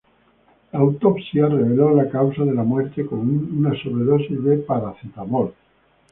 La autopsia reveló la causa de la muerte como una sobredosis de paracetamol.